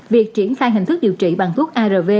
việc triển khai hình thức điều trị bằng thuốc arv